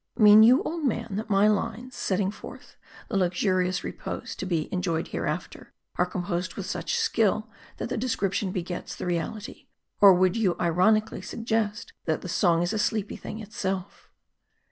" Mean you, old man, that my lines, setting forth the luxurious repose to be enjoyed hereafter, are composed with such skill, that the description begets the reality ; or would you ironically suggest, that the song is a sleepy thing itself?"